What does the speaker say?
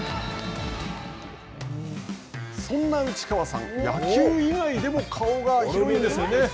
そんな内川さん、野球以外でも顔が広いんですよね。